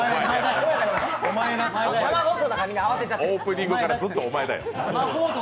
オープニングからずっとおまえだよ。